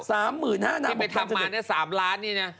สามหมื่นห้านางไปทำมาเนี่ยสามล้านนี่นะ